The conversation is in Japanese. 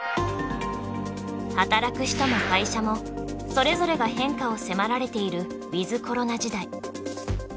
働く人も会社もそれぞれが変化を迫られているウィズコロナ時代。